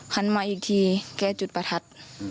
หันมาอีกทีแกจุดประทัด